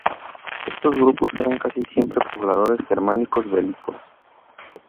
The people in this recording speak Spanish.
Estos grupos eran casi siempre pobladores germánicos belicosos.